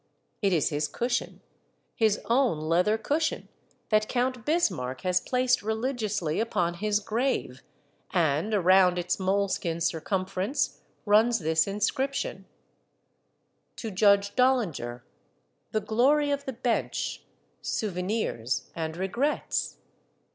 It is his cushion, his own leather cushion, that Count Bismarck has placed religiously upon his grave, and around its moleskin circumference runs this inscription, — To JUDGE BOLLINGER, The Glory of the Bench,i Souvenirs and regrets